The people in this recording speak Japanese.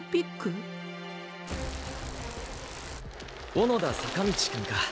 小野田坂道くんか。